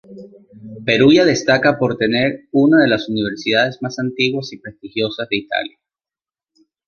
Perugia destaca por tener una de las universidades más antiguas y prestigiosas de Italia.